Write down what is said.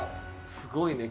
すごいね。